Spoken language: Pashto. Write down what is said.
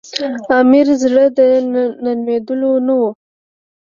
امیر زړه د نرمېدلو نه وو.